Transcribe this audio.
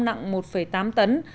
nặng một tám tấn